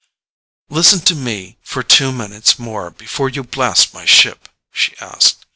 "Listen to me for two minutes more before you blast my ship," she asked.